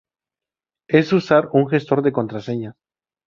es usar un gestor de contraseñas